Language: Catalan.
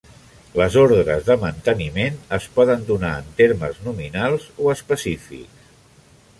Les ordres de manteniment es poden donar en termes nominals o específics.